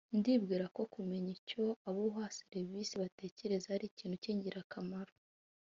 ndibwira ko kumenya icyo abo uha serivisi batekereza ari ikintu cy’ingirakamaro